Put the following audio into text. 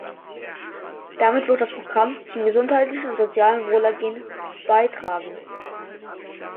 Damit wird das Programm zum gesundheitlichen und sozialen Wohlergehen beitragen.